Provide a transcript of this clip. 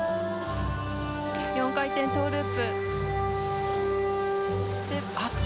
４回転トウループ。